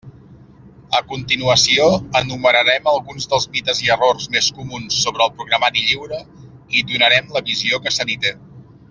A continuació enumerarem alguns dels mites i errors més comuns sobre el programari lliure i donarem la visió que se n'hi té.